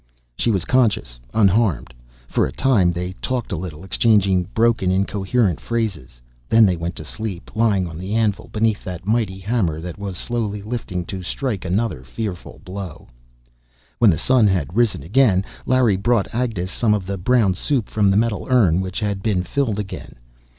She was conscious, unharmed. For a time they talked a little, exchanging broken, incoherent phrases. Then they went to sleep, lying on the anvil, beneath that mighty hammer that was slowly lifting to strike another fearful blow. When the "sun" had risen again, Larry brought Agnes some of the brown soup from the metal urn, which had been filled again.